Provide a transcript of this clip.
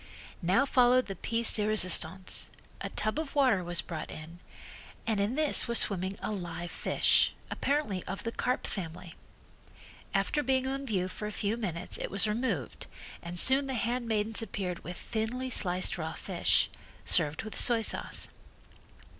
Now followed the piece de resistance. A tub of water was brought in and in this was swimming a live fish, apparently of the carp family. After being on view for a few minutes it was removed and soon the handmaidens appeared with thinly sliced raw fish, served with soy sauce.